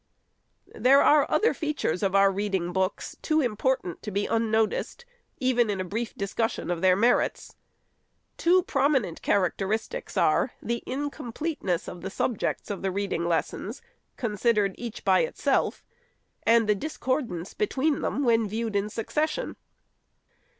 There are other features of our reading books too im portant to be unnoticed, even in a brief discussion of their merits. Two prominent characteristics are, the in completeness of the subjects of the reading lessons, con sidered each by itself; and the discordance between them, when viewed in succession.